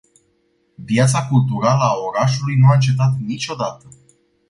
Viața culturală a orașului nu a încetat niciodată.